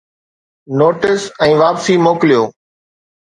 Notes ۽ واپسي موڪليو.